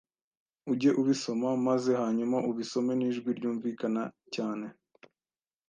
Ujye ubisoma, maze hanyuma ubisome n’ijwi ryumvikana cyane,